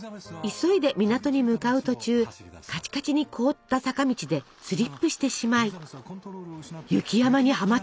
急いで港に向かう途中カチカチに凍った坂道でスリップしてしまい雪山にはまってしまいます。